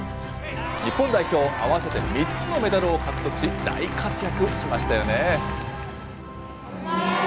日本代表、合わせて３つのメダルを獲得し、大活躍しましたよね。